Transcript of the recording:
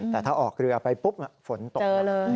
แต่ถ้าออกเรือไปปุ๊บฝนตก